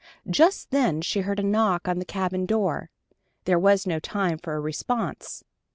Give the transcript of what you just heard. Just then she heard a knock on the cabin door. There was no time for a response.